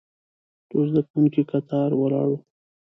ټول زده کوونکي کتار ولاړ وو.